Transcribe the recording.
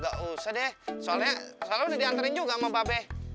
agak usah deh soalnya selalu diantarin juga sama mbak be